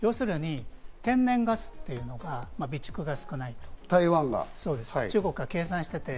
要するに天然ガスっていうのが備蓄が少ない。